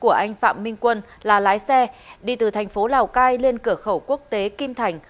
của anh phạm minh quân là lái xe đi từ thành phố lào cai lên cửa khẩu quốc tế kim thành